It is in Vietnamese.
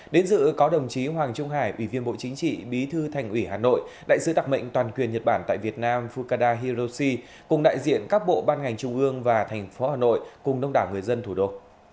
đến dự có đồng chí hoàng trung hải ủy viên bộ chính trị bí thư thành ủy hà nội đại sứ đặc mệnh toàn quyền nhật bản tại việt nam fukada hiroshi cùng đại diện các bộ ban ngành trung ương và thành phố hà nội cùng đông đảo người dân thủ đô